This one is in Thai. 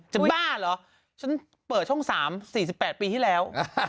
บ้าเหรอฉันเปิดช่อง๓๔๘ปีที่แล้ว